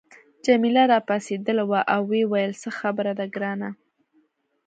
جميله راپاڅیدلې وه او ویې ویل څه خبره ده ګرانه.